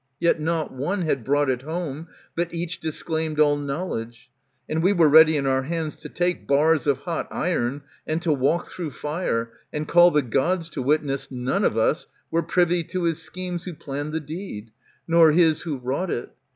Yet not one Had it brought home, but each disclaimed all knowledge ; And we were ready in our hands to take Bars of hot iron, and to walk through fire, And call the Gods to witness none of us Were privy to his schemes who planned the deed, Nor his who wrought it.